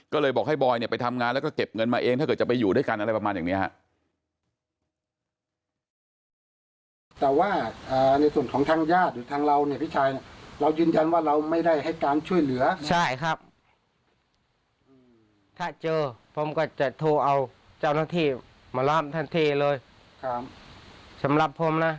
ก็เลยบอกให้บอยเนี่ยไปทำงานแล้วก็เก็บเงินมาเองถ้าเกิดจะไปอยู่ด้วยกันอะไรประมาณอย่างนี้ครับ